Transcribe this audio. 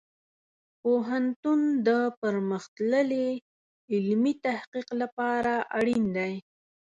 پوهنتون د پرمختللې علمي تحقیق لپاره اړین دی.